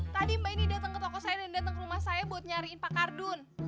tadi mbak ini datang ke toko saya dan datang ke rumah saya buat nyariin pak kardun